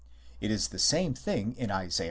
It is the same thing in Isa.